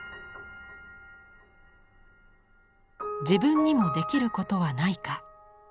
自分にもできることはないか。